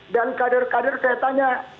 dan kader kader saya tanya